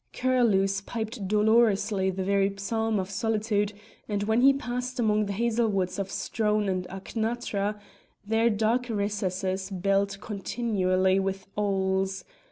Curlews piped dolorously the very psalm of solitude, and when he passed among the hazel woods of Strone and Achnatra, their dark recesses belled continually with owls.